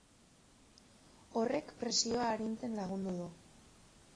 Horrek presioa arintzen lagundu du.